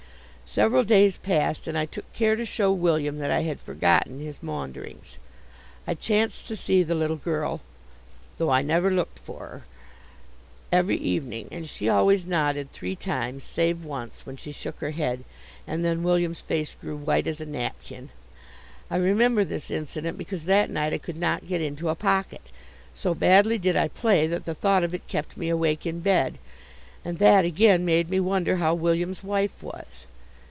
Several days passed, and I took care to show William that I had forgotten his maunderings. I chanced to see the little girl (though I never looked for her) every evening and she always nodded three times, save once, when she shook her head, and then William's face grew white as a napkin. I remember this incident because that night I could not get into a pocket. So badly did I play that the thought of it kept me awake in bed, and that, again, made me wonder how William's wife was.